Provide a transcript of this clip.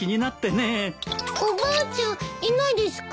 おばあちゃんいないですか？